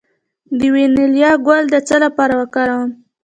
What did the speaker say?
د وانیلا ګل د څه لپاره وکاروم؟